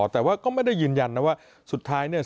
แต่ว่าก็ไม่ได้ยืนยันนะว่าสุดท้ายเนี่ย